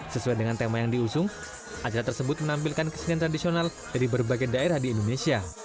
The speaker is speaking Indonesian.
sesuai dengan tema yang diusung acara tersebut menampilkan kesenian tradisional dari berbagai daerah di indonesia